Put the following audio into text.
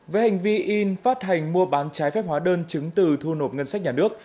với hành vi in phát hành mua bán trái phép hóa đơn chứng từ thu nộp ngân sách nhà nước